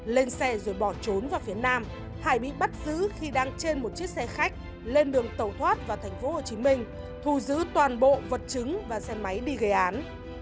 lên xe rồi bỏ trốn vào phía nam hải bị bắt giữ khi đang trên một chiếc xe khách lên đường tẩu thoát vào tp hcm thu giữ toàn bộ vật chứng và xe máy đi gây án